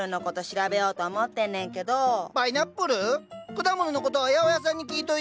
果物の事は八百屋さんに聞いといで！